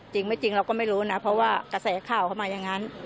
จริงไม่จริงเราก็ไม่รู้นะเพราะว่ากระแสข่าวเข้ามาอย่างนั้น